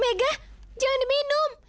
mega jangan diminum